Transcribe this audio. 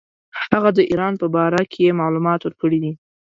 هغه د ایران په باره کې معلومات ورکړي دي.